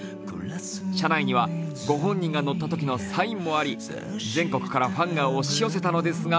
車内にはご本人が乗ったときのサインもあり、全国からファンが押し寄せたのですが